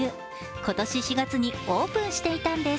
今年４月にオープンしていたんです。